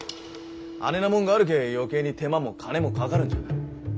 あねなもんがあるけぇ余計に手間も金もかかるんじゃ。